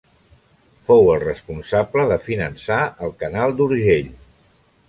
Fou el responsable de finançar el Canal d'Urgell.